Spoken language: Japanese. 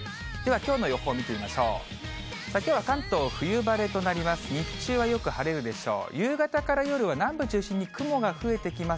きょうは関東、冬晴れとなります。